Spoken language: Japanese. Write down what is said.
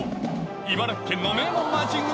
茨城県の名門マーチング